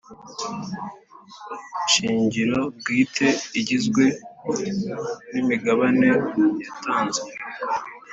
Shingiro bwite igizwe n imigabane yatanzwe